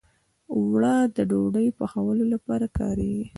اوړه د ډوډۍ پخولو لپاره کارېږي